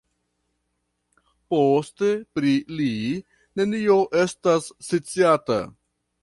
Poste pri li nenio estas sciata.